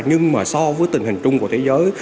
nhưng mà so với tình hình chung của thế giới